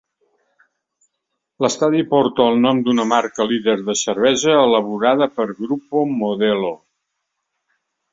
L'estadi porta el nom d'una marca líder de cervesa elaborada per Grupo Modelo.